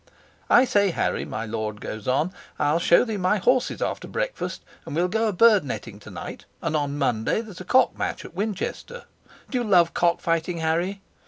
"I say, Harry," my lord goes on, "I'll show thee my horses after breakfast; and we'll go a bird netting to night, and on Monday there's a cock match at Winchester do you love cock fighting, Harry?